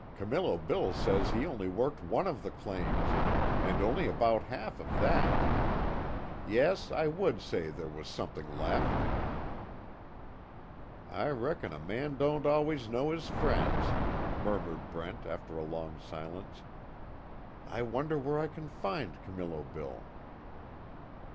Camillo Bill says he only worked one of the claims and only about half of that. Yes, I would say there was something left." "I reckon a man don't always know his friends," murmured Brent, after a long silence, "I wonder where I can find Camillo Bill?"